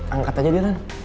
angkat aja dia lan